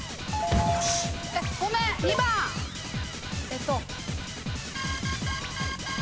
えっと。